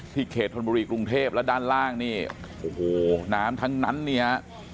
ที่เขตธนบริกรุงเทพฯแล้วด้านล่างนี่โหน้ำทั้งนั้นนะครับ